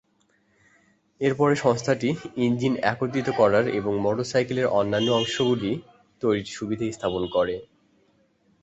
এরপরে, সংস্থাটি ইঞ্জিন একত্রিত করার এবং মোটরসাইকেলের অন্যান্য অংশগুলি তৈরির সুবিধা স্থাপন করে।